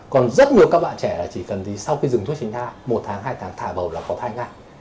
còn rất nhiều các bạn trẻ chỉ cần gì sau khi dùng thuốc tránh thai một tháng hai tháng thả bầu là có thai ngạc